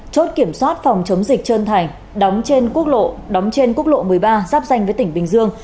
chốt kiểm soát phòng chống dịch trơn thành đóng trên quốc lộ một mươi ba giáp danh với tỉnh bình dương